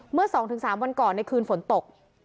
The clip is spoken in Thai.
เมื่อ๒๓วันก่อนในคืนฝนตก